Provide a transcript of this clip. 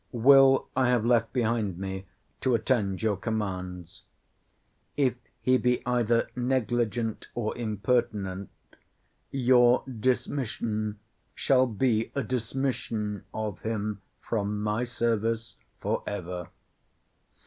Will. I have left behind me to attend your commands. If he be either negligent or impertinent, your dismission shall be a dismission of him from my service for ever.